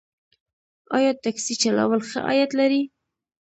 آیا ټکسي چلول ښه عاید لري؟